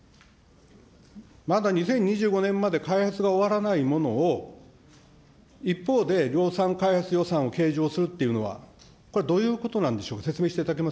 まだ２０２５年まで開発が終わらないものを、一方で量産開発予算を計上するっていうのは、これ、どういうことなんでしょう。